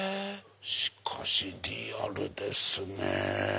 しかしリアルですね。